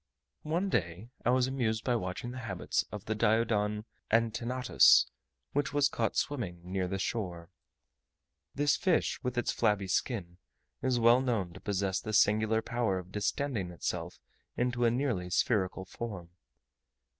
One day I was amused by watching the habits of the Diodon antennatus, which was caught swimming near the shore. This fish, with its flabby skin, is well known to possess the singular power of distending itself into a nearly spherical form.